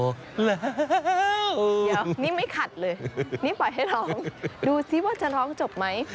เดี๋ยวนี่ไม่ขัดเลยนี่ปล่อยให้ร้องดูซิว่าจะร้องจบไหม